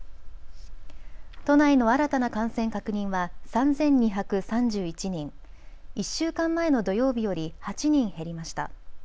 都内の新たな感染確認は３２３１人、１週間前の土曜日より８人減りました。